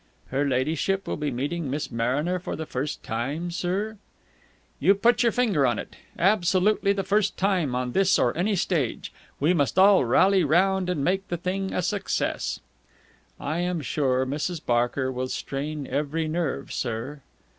"Her ladyship will be meeting Miss Mariner for the first time, sir?" "You've put your finger on it! Absolutely the first time on this or any stage! We must all rally round and make the thing a success." "I am sure Mrs. Barker will strain every nerve, sir."